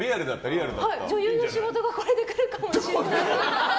女優の仕事がこれで来るかもしれない。